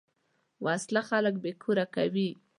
وسله خلک بېکور کوي